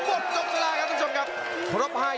โอ้โหนั่งหวบจงสลายครับท่านผู้ชมครับ